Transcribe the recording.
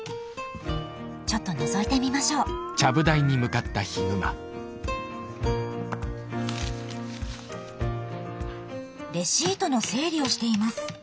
ちょっとのぞいてみましょうレシートの整理をしています。